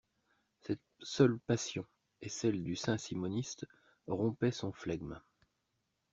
Cette seule passion et celle du saint-simonisme rompaient son flegme.